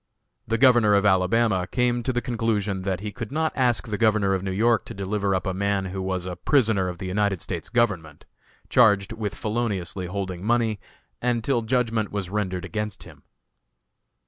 The Governor of Alabama came to the conclusion that he could not ask the Governor of New York to deliver up a man who was a prisoner of the United States government, charged with feloniously holding money, until judgment was rendered against him.